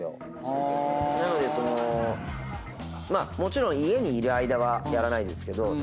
まあもちろん家にいる間はやらないですけど。